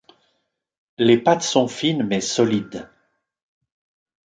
Les pattes sont fines mais solides.